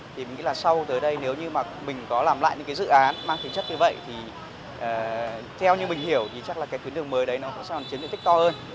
thì mình nghĩ là sau tới đây nếu như mình có làm lại những dự án mang tính chất như vậy thì theo như mình hiểu thì chắc là cái tuyến đường mới đấy nó sẽ là một chiến dịch tích to hơn